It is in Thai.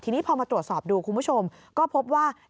ทีนี้พอมาตรวจสอบดูคุณผู้ชมก็พบว่า